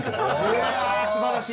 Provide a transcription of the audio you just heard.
うわすばらしい。